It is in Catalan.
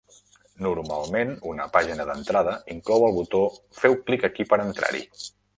Normalment, una pàgina d'entrada inclou el botó "Feu clic aquí per entrar-hi".